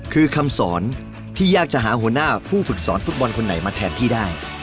คือคำสอนที่ยากจะหาหัวหน้าผู้ฝึกสอนฟุตบอลคนไหนมาแทนที่ได้